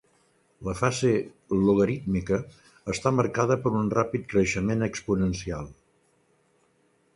La fase logarítmica està marcada per un ràpid creixement exponencial.